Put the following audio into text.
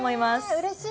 うれしい。